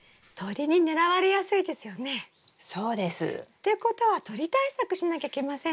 っていうことは鳥対策しなきゃいけませんね。